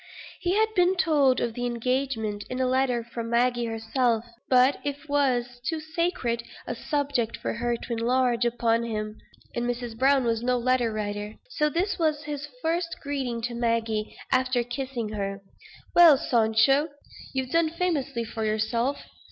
He had been told of the engagement, in a letter from Maggie herself; but it was too sacred a subject for her to enlarge upon to him; and Mrs. Browne was no letter writer. So this was his first greeting to Maggie; after kissing her: "Well, Sancho, you've done famously for yourself.